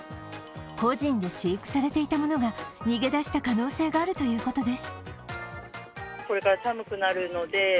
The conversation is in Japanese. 個人で飼育されていたものが逃げ出した可能性があるということです。